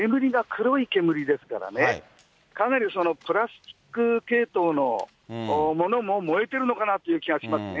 ただ、この煙が黒い煙ですからね、かなりプラスチック系統のものも燃えてるのかなという気もします